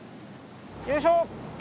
よいしょ！